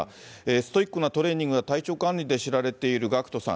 ストイックなトレーニングや体調管理で知られているＧＡＣＫＴさん。